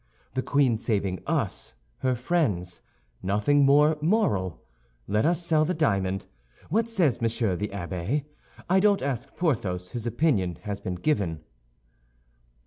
The queen saving us, her friends; nothing more moral. Let us sell the diamond. What says Monsieur the Abbé? I don't ask Porthos; his opinion has been given."